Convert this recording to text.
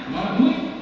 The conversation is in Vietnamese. nó là núi